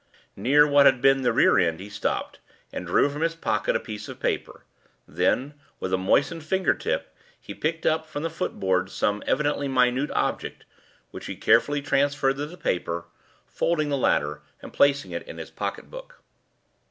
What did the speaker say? Near what had been the rear end he stopped, and drew from his pocket a piece of paper; then, with a moistened finger tip he picked up from the footboard some evidently minute object, which he carefully transferred to the paper, folding the latter and placing it in his pocket book.